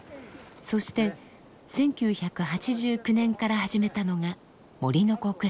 そして１９８９年から始めたのが森の子クラブでした。